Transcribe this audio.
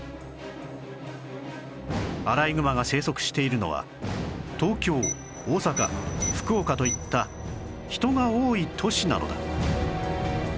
アライグマが生息しているのは東京大阪福岡といった人が多い都市なのだ